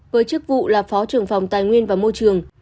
với chức vụ là phó trưởng phòng tài nguyên và môi trường